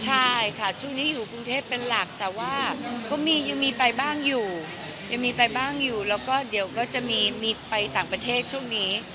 ใช่ค่ะช่วงนี้อยู่กรุงเทพเป็นหลักแต่ว่าก็มียังมีไปบ้างอยู่ยังมีไปบ้างอยู่แล้วก็เดี๋ยวก็จะมีไปต่างประเทศช่วงนี้